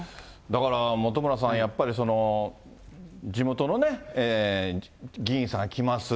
だから、本村さん、やっぱり地元のね、議員さんが来ます、